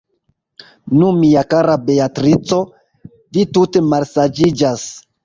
Nu, mia kara Beatrico, vi tute malsaĝiĝas.